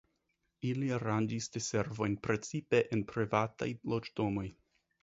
Ili aranĝis diservojn precipe en privataj loĝdomoj.